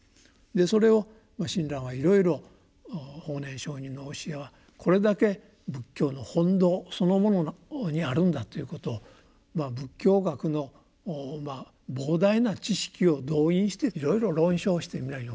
それを親鸞はいろいろ法然上人の教えはこれだけ仏教の本道そのものにあるんだということを仏教学の膨大な知識を動員していろいろ論証して皆に教えると。